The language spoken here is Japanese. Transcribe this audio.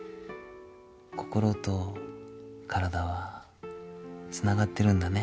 心と体はつながってるんだね。